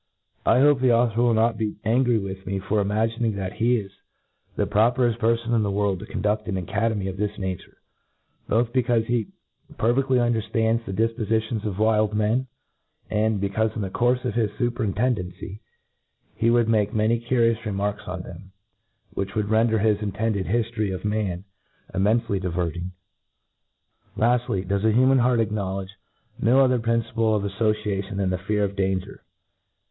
I hope the author will not be angry with me for ima gining that he isthepropereltperfon ki the world to conduct an academy of this nature } i.both becaufe he perfefUy underftands the difpofitions of wild men, and becaufe, itt the courfe of his fuperintendency, he would make many <:urious remarks on them, which would render his in tended hiftory of man immcnfely diverting, Laftlyj Does the human heart acknowledge no o ther principle of affociation than the fear pf dan ger